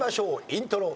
イントロ。